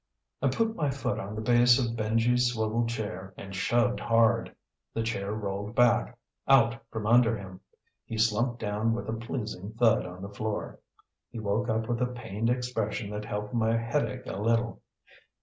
I put my foot on the base of Benji's swivel chair and shoved hard. The chair rolled back, out from under him. He slumped down with a pleasing thud on the floor. He woke up with a pained expression that helped my headache a little.